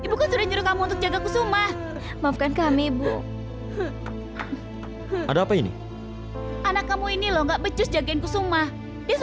udah diam jangan nangis terus